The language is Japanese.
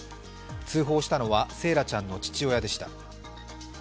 通報したのは惺愛ちゃんの父親でした。